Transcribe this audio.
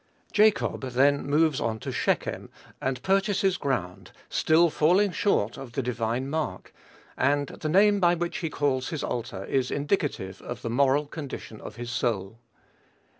Jacob then moves on to Shechem, and purchases ground, still falling short of the divine mark, and the name by which he calls his altar is indicative of the moral condition of his soul.